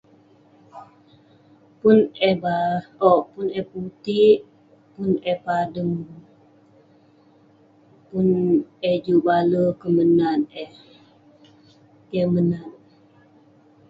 Pun eh ba- owk, pun eh putik, pun eh padeng, pun eh juk baler kek menat eh. Keh menat.